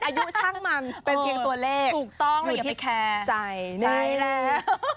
อายุช่างมันเป็นเพียงตัวเลขถูกต้องอย่าไปแคร์ใจใช่แล้ว